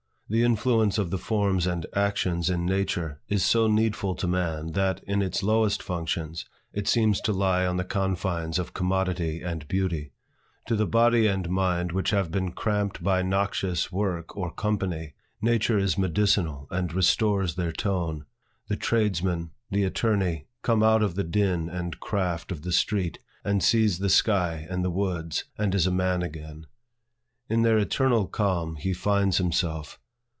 The influence of the forms and actions in nature, is so needful to man, that, in its lowest functions, it seems to lie on the confines of commodity and beauty. To the body and mind which have been cramped by noxious work or company, nature is medicinal and restores their tone. The tradesman, the attorney comes out of the din and craft of the street, and sees the sky and the woods, and is a man again. In their eternal calm, he finds himself.